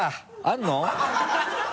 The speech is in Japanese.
あるの？